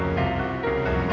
pernah keluar semua